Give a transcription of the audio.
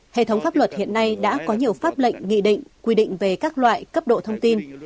hệ thống pháp luật hiện nay đã có nhiều pháp lệnh nghị định quy định về các loại cấp độ thông tin